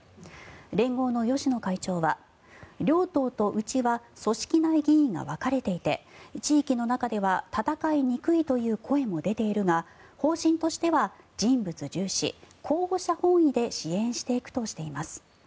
連合の芳野会長は両党とうちは組織内議員が分かれていて地域の中では戦いにくいという声も出ているが方針としては人物重視、候補者本位で支援していくとしています。